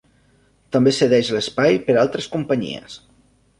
També cedeix l'espai per altres companyies.